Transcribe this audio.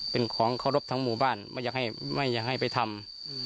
เป็นของเคารพทั้งหมู่บ้านไม่อยากให้ไปทำ